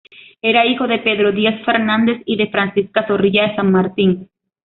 Era hijo de Pedro Díez Fernández y de Francisca Zorrilla de San Martín.